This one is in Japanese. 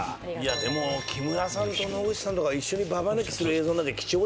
でも木村さんと野口さんが一緒にババ抜きする映像なんて貴重ですよね